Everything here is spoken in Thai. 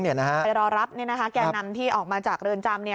ไปรอรับแก่นำที่ออกมาจากเรือนจำ